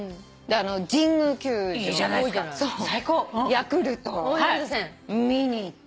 ヤクルト見に行って。